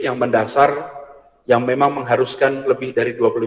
yang mendasar yang memang mengharuskan lebih dari